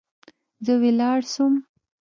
زه ولاړ سوم.